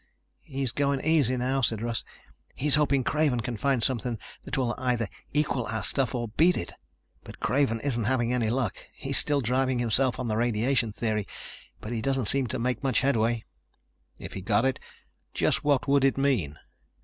"He's going easy now," said Russ. "He's hoping Craven can find something that will either equal our stuff or beat it. But Craven isn't having any luck. He's still driving himself on the radiation theory, but he doesn't seem to make much headway." "If he got it, just what would it mean?"